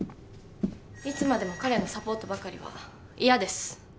いつまでも彼のサポートばかりは嫌です